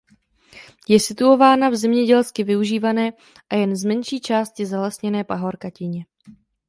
Je situována v zemědělsky využívané a jen z menší části zalesněné pahorkatině.